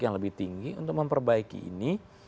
yang lebih tinggi untuk memperbaiki ini